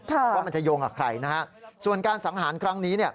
ว่ามันจะโยงกับใครนะฮะส่วนการสังหารครั้งนี้เนี่ย